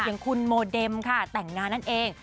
อย่างคุณโมเดมค่ะแต่งงานนั่นเอง